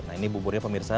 nah ini buburnya pemirsa